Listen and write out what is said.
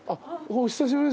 お久しぶりです。